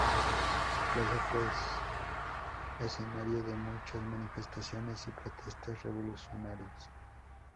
La plaza fue escenario de muchas manifestaciones y protestas revolucionarias.